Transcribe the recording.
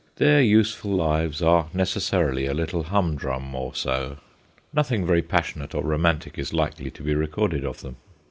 Their useful lives are necessarily a little humdrum or so. Nothing very passionate or romantic is likely to be recorded of them.